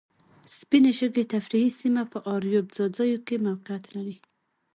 سپینې شګې تفریحي سیمه په اریوب ځاځیو کې موقیعت لري.